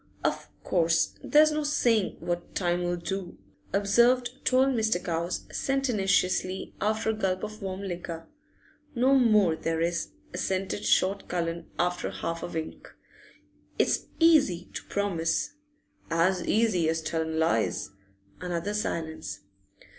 'Of course there's no saying what time 'll do,' observed tall Mr. Cowes, sententiously, after a gulp of warm liquor. 'No more there is,' assented short Mr. Cullen with half a wink. 'It's easy to promise.' 'As easy as tellin' lies.' Another silence.